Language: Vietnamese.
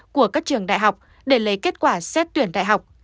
của các trường đại học để lấy kết quả xét tuyển đại học